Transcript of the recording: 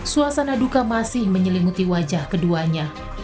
suasana duka masih menyelimuti wajah keduanya